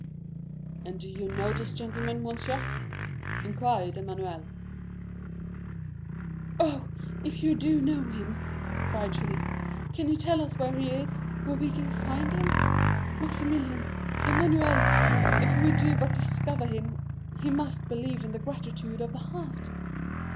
"And do you know this gentleman, monsieur?" inquired Emmanuel. "Oh, if you do know him," cried Julie, "can you tell us where he is—where we can find him? Maximilian—Emmanuel—if we do but discover him, he must believe in the gratitude of the heart!"